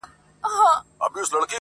دا چي تللي زموږ له ښاره تر اسمانه.